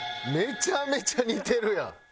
めちゃめちゃ似てるやん。